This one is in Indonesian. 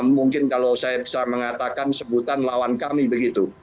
mungkin kalau saya bisa mengatakan sebutan lawan kami begitu